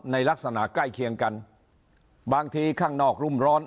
ในลักษณะใกล้เคียงกันบางทีข้างนอกรุ่มร้อน